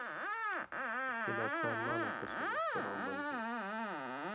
تسی لا تاں مالاں تصرُف کرؤں بند ہُوئ تھُو۔